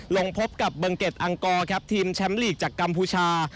ลงพบกับเบิงเกดอังกอร์ครับทีมแชมป์ลีกจากกัมพูชา